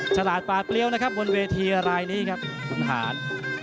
ฉลาดปลาเปรี้ยวนะครับบนเวทีรายนี้ครับคุณหาร